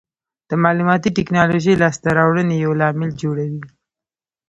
د معلوماتي ټکنالوژۍ لاسته راوړنې یو لامل جوړوي.